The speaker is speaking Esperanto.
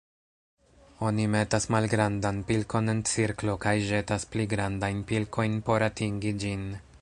Oni metas malgrandan pilkon en cirklo kaj ĵetas pli grandajn pilkon por atingi ĝin.